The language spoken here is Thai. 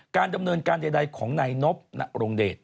การดำเนินการใดของนายนบนรงเดช